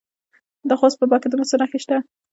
د خوست په باک کې د مسو نښې شته.